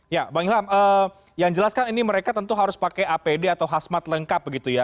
ya bang ilham yang jelaskan ini mereka tentu harus pakai apd atau khasmat lengkap gitu ya